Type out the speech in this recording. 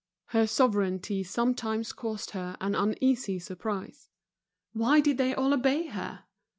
Her sovereignty sometimes caused her an uneasy surprise; why did they all obey her?